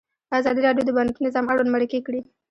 ازادي راډیو د بانکي نظام اړوند مرکې کړي.